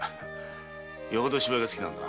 よほど芝居が好きなんだな。